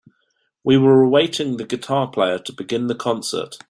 We were awaiting the guitar player to begin the concert.